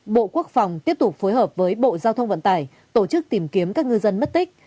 bộ quốc phòng tiếp tục phối hợp với bộ giao thông vận tải tổ chức tìm kiếm các ngư dân mất tích